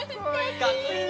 かっこいいね！